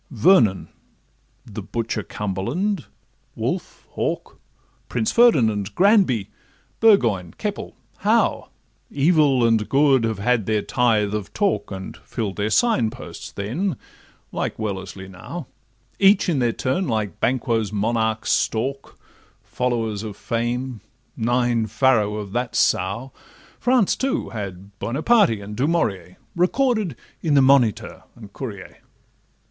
Vernon, the butcher Cumberland, Wolfe, Hawke, Prince Ferdinand, Granby, Burgoyne, Keppel, Howe, Evil and good, have had their tithe of talk, And fill'd their sign posts then, like Wellesley now; Each in their turn like Banquo's monarchs stalk, Followers of fame, 'nine farrow' of that sow: France, too, had Buonaparte and Dumourier Recorded in the Moniteur and Courier.